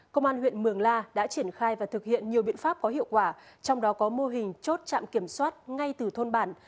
công an huyện mường la đã triển khai và thực hiện nhiều biện pháp có hiệu quả trong đó có mô hình chốt trạm kiểm soát ngay từ thôn bản